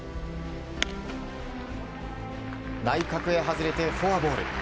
内角へ外れてフォアボール。